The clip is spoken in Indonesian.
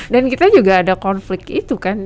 dan kita juga ada konflik itu kan